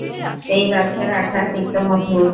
এই গাছের আঠা তিক্তমধুর।